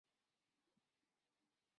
赛盖德。